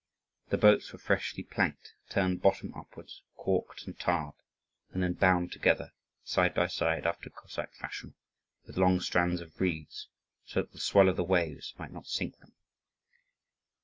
The boats were freshly planked, turned bottom upwards, caulked and tarred, and then bound together side by side after Cossack fashion, with long strands of reeds, so that the swell of the waves might not sink them.